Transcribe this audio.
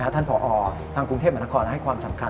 ท่านผอทางกรุงเทพมหานครให้ความสำคัญ